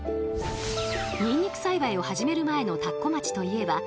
ニンニク栽培を始める前の田子町といえば雪深く